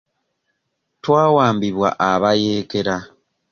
Twawambibwa abayeekera.